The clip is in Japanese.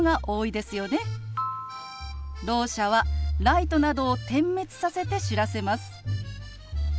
ろう者はライトなどを点滅させて知らせます。